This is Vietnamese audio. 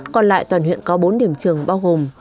còn lại toàn huyện có bốn điểm trường bao gồm